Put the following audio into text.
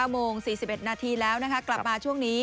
โมง๔๑นาทีแล้วนะคะกลับมาช่วงนี้